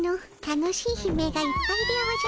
楽しい悲鳴がいっぱいでおじゃる。